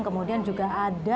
kemudian juga ada petis udang